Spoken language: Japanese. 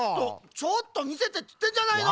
ちょっとみせてっつってんじゃないの！